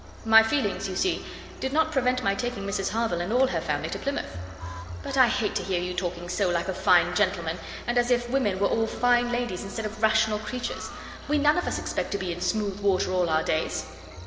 "My feelings, you see, did not prevent my taking Mrs Harville and all her family to Plymouth." "But I hate to hear you talking so like a fine gentleman, and as if women were all fine ladies, instead of rational creatures. We none of us expect to be in smooth water all our days."